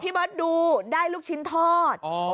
เบิร์ตดูได้ลูกชิ้นทอด